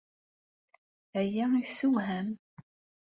Aya yessewham.